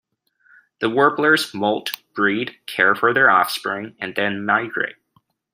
The warblers molt, breed, care for their offspring, and then migrate.